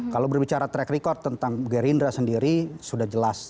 kalau berbicara track record tentang gerindra sendiri sudah jelas